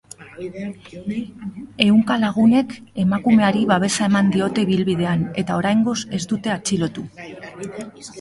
Ehunka lagunek emakumeari babesa eman diote ibilbidean eta oraingoz ez dute atxilotu.